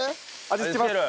味付けます。